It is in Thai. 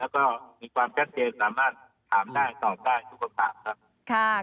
แล้วก็มีความแพ้เจนสามารถตอบถามได้ทุกคนตาม